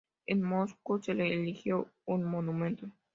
En Moscú se le erigió un monumento.